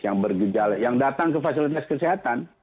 yang datang ke fasilitas kesehatan